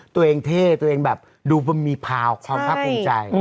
ตัวเองเท่ตัวเองแบบดูมีพาวค่อนข้างปรุงใจ